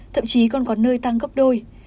thậm chí còn có nơi tăng gấp đôi